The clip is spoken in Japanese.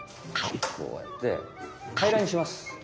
こうやってたいらにします。